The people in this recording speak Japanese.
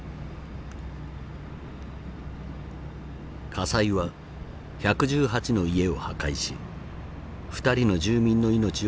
火災は１１８の家を破壊し２人の住民の命を奪っていた。